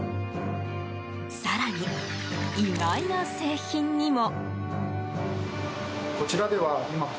更に、意外な製品にも。